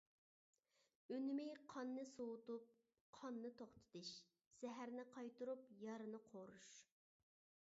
ئۈنۈمى قاننى سوۋۇتۇپ قاننى توختىتىش، زەھەرنى قايتۇرۇپ يارىنى قورۇش.